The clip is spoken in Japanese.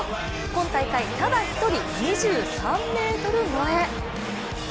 今大会ただ一人、２３ｍ超え。